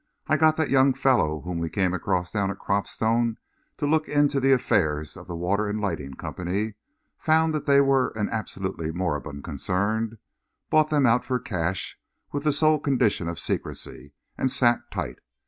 I got that young fellow whom we came across down at Cropstone to look into the affairs of the Water and Lighting Company, found that they were an absolutely moribund concern, bought them out for cash, with the sole condition of secrecy, and sat tight.